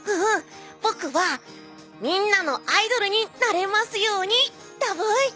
僕はみんなのアイドルになれますように、だブイ！